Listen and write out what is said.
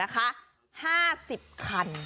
๕๐คัน